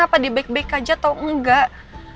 apa dia baik baik aja atau enggak